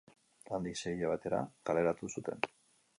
Handik sei hilabetera kaleratu zuten.